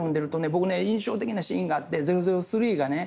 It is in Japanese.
僕ね印象的なシーンがあって００３がね